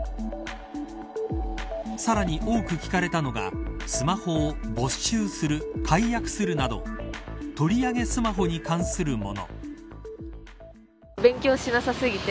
さらに多く聞かれたのがスマホを没収する解約するなど取り上げスマホに関するもの。